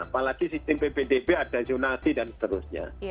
apalagi sistem ppdb ada zonasi dan seterusnya